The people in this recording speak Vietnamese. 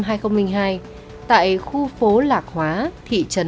tại khu phố lạc hóa thị trấn lạc tánh huyện tánh linh tỉnh bình thuận